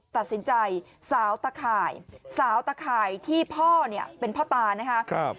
ตัดสินใจสาวตะข่ายสาวตะข่ายที่พ่อเป็นพ่อตานะคะ